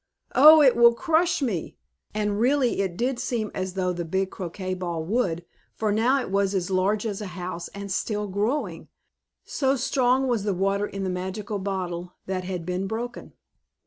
Oh, it will crush me!" And, really, it did seem as though the big croquet ball would, for now it was as large as a house and still growing, so strong was the water in the magical bottle that had been broken.